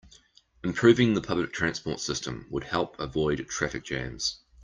Improving the public transport system would help avoid traffic jams.